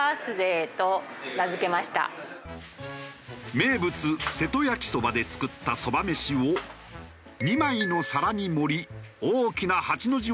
名物瀬戸焼きそばで作ったそば飯を２枚の皿に盛り大きな８の字を作成。